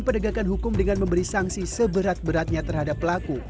penegakan hukum dengan memberi sanksi seberat beratnya terhadap pelaku